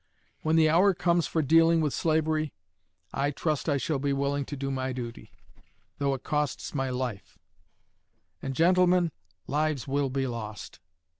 When the hour comes for dealing with slavery, I trust I shall be willing to do my duty, though it costs my life. And, gentlemen, lives will be lost.'